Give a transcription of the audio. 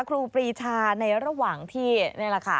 ครูปรีชาในระหว่างที่นี่แหละค่ะ